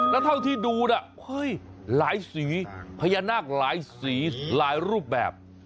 แล้วเท่าที่ดูนะหลายสีพญานาคหลายสีหลายรูปแบบ